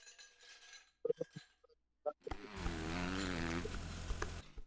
This goal aims at ensuring every society in the world possess good infrastructure.